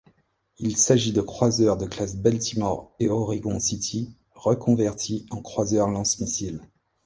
Il s'agit de croiseurs de classe Baltimore et Oregon City reconvertis en croiseur lance-missiles.